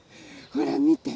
ほらみて！